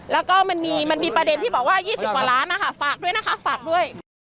แล้วก็มันมีประเด็นที่บอกว่า๒๐กว่าล้านนะคะฝากด้วยนะคะฝากด้วย